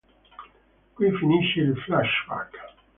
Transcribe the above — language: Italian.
Qui finisce il "flashback".